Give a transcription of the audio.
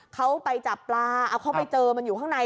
เขาไปจับปลาเอาเขาไปเจอมันอยู่ข้างใน